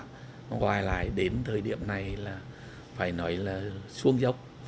ngoài lại đến thời điểm này là phải nói là xuống dốc